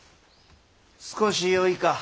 少しよいか。